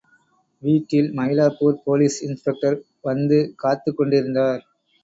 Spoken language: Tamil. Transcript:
வீட்டில் மயிலாப்பூர் போலீஸ் இன்ஸ்பெக்டர் வந்து காத்துக் கொண்டிருந்தார்.